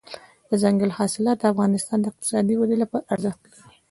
دځنګل حاصلات د افغانستان د اقتصادي ودې لپاره ارزښت لري.